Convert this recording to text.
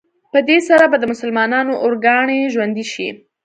په دې سره به د مسلمانانو ارواګانې ژوندي شي.